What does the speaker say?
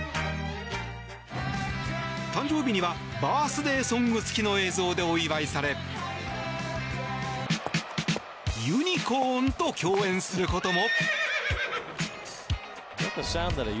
誕生日にはバースデーソング付きの映像でお祝いされユニコーンと共演することも。